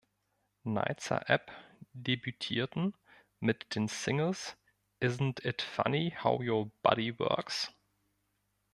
Nitzer Ebb debütierten mit den Singles "Isn't it Funny How Your Body Works?